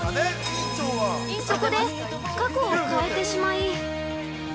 そこで過去を変えてしまい。